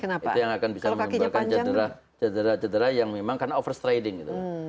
karena kita tidak akan bisa menyebabkan jadrah jadrah yang memang karena over striding gitu